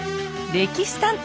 「歴史探偵」。